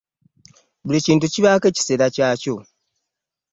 Buli kintu kibaako ekiseera kyakyo.